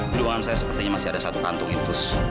di ruangan saya sepertinya masih ada satu kantung infus